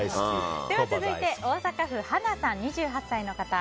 続いて、大阪府の２８歳の方。